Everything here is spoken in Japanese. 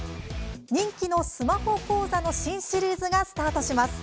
人気のスマホ講座の新シリーズがスタートします。